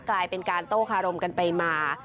กลายเป็นการโต้คารมกันไปมา